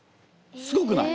すごくない？